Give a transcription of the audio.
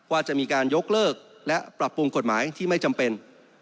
ว่าจะมีการยกเลิกและปรับปรุงกฎหมายที่ไม่จำเป็น